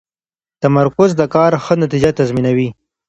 تمرکز د کار ښه نتیجه تضمینوي.